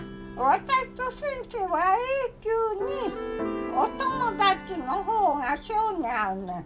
私と先生は永久にお友達の方が性に合うねん。